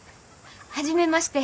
初めまして。